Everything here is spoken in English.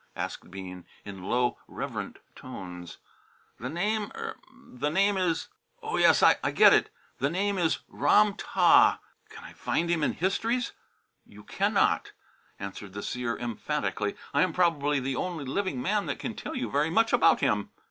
asked Bean, in low, reverent tones. "The name er the name is oh, yes, I get it the name is Ram tah." "Can I find him in the histories?" "You cannot," answered the seer emphatically. "I am probably the only living man that can tell you very much about him."